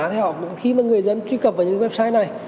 thì khi mà người dân truy cập vào những website này